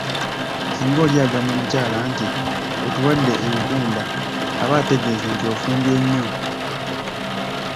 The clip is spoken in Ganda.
Singa oli agamba omukyala nti 'otuwadde enkumba' aba ategeeza nti ofumbye nnyo.